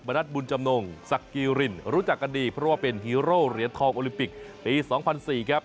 นัทบุญจำนงสักกีรินรู้จักกันดีเพราะว่าเป็นฮีโร่เหรียญทองโอลิมปิกปี๒๐๐๔ครับ